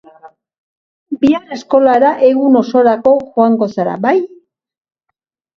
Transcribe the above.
Bihar eskolara egun osorako joango zara, bai?